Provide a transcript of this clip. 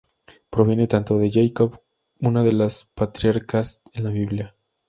Proviene por tanto de Jacob, uno de los patriarcas en la "Biblia".